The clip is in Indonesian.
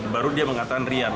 baru dia mengatakan rian